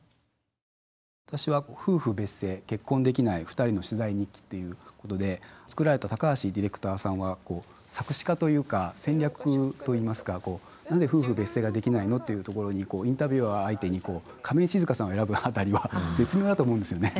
私は「夫婦別姓“結婚”できない２人の取材日記」ということで作られた高橋ディレクターさんは策士家というか戦略といいますか何で夫婦別性ができないのっていうところにインタビュアー相手に亀井静香さんを選ぶあたりは絶妙だと思うんですよね。